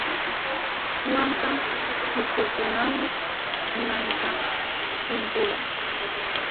Waaka suqakuqkunawan naanitraw tinkurqaa.